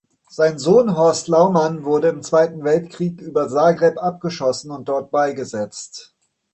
Sein Sohn Horst Laumann wurde im Zweiten Weltkrieg über Zagreb abgeschossen und dort beigesetzt.